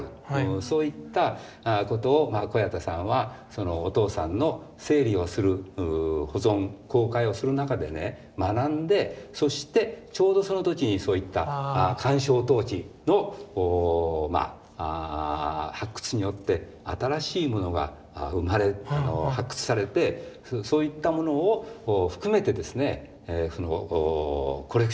そういったことを小彌太さんはお父さんの整理をする保存公開をする中でね学んでそしてちょうどその時にそういった鑑賞陶器の発掘によって新しいものが生まれ発掘されてそういったものを含めてですねコレクション。